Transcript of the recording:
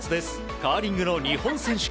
カーリングの日本選手権。